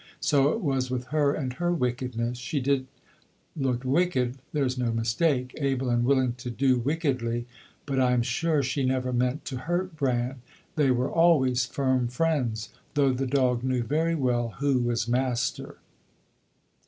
So it was with her and her wickedness. She did look wicked, there's no mistake able and willing to do wickedly; but I am sure she never meant to hurt Bran. They were always firm friends, though the dog knew very well who was master.